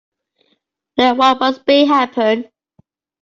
Let what must be, happen.